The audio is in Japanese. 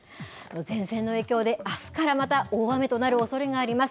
前線の影響であすからまた大雨となるおそれがあります。